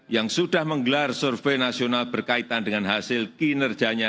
yang sudah menggelar survei nasional berkaitan dengan hasil kinerjanya